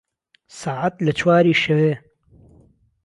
ساعهت له چواری شهوێ